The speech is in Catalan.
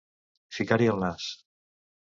Ficar-hi el nas.